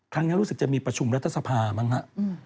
ครั้งนี้รู้สึกจะมีประชุมรัฐสภาพบ้างฮะ